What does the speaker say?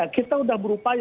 kita sudah berupaya